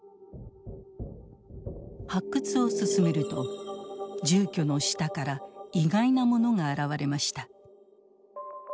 発掘を進めると住居の下から意外なものが現れました。